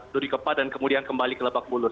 duri kepa dan kemudian kembali ke lebak bulur